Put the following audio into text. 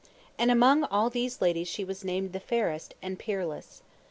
And among all these ladies she was named the fairest, and peerless.